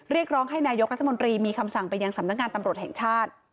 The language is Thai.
เรียกร้องให้นายกรัฐมนตรีมีคำสั่งไปยังสำนักงานตำรวจแห่งชาติ